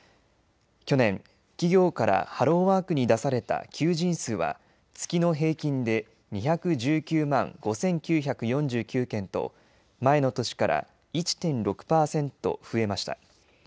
去年、企業からハローワークに出された求人数は月の平均で２１９万５９４９件と前の年から１．６％増えました。